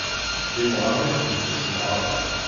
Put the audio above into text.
D imɣaren i tent-issemɣaren.